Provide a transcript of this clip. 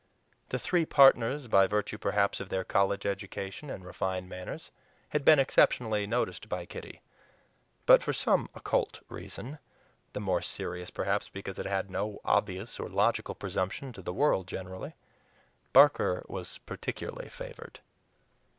The three partners, by virtue, perhaps, of their college education and refined manners, had been exceptionally noticed by Kitty. And for some occult reason the more serious, perhaps, because it had no obvious or logical presumption to the world generally Barker was particularly favored.